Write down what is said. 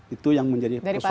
itu yang menjadi persoal